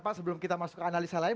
pak sebelum kita masuk ke analisa lain